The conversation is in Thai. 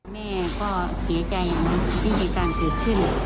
แม่ก็เสียใจที่มีการเกิดขึ้น